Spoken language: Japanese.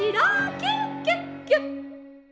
キュキュッキュッ！」。